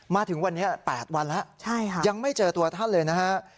มาถึงวันนี้๘วันแล้วยังไม่เจอตัวท่านเลยนะฮะ